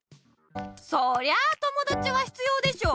そりゃあともだちは必要でしょ！